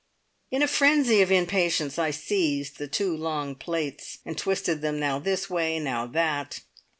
In a frenzy of impatience I seized the two long plaits, and twisted them now this way, now that.